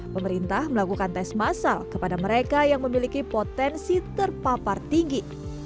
pemerintah melakukan tes masal kepada mereka yang memiliki potensi terpapar tinggi